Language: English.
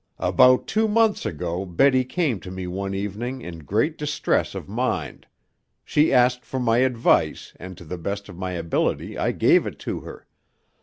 "About two months ago Betty came to me one evening in great distress of mind. She asked for my advice and to the best of my ability I gave it to her.